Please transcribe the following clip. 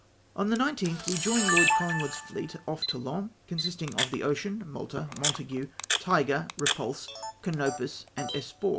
On the 19th we joined Lord Colhngwood's fleet off Toulon, consisting of the Ocean, Malta, Montague, Tiger, Repulse, Canopus, and Espoir.